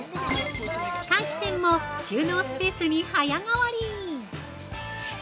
換気扇も収納スペースに早変わり。